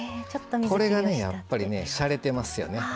これが、やっぱりしゃれてますよね。